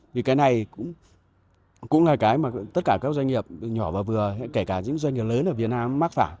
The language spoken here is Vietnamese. vì cái này cũng là cái mà tất cả các doanh nghiệp nhỏ và vừa kể cả những doanh nghiệp lớn ở việt nam mắc phải